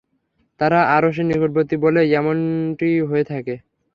তারা আরশের নিকটবর্তী বলেই এমনটি হয়ে থাকে।